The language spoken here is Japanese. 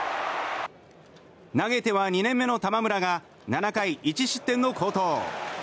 投げては２年目の玉村が７回１失点の好投。